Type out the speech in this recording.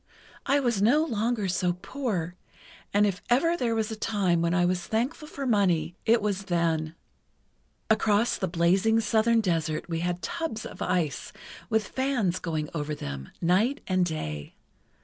I was no longer so poor, and if ever there was a time when I was thankful for money it was then. Across the blazing southern desert we had tubs of ice, with fans going over them, night and day.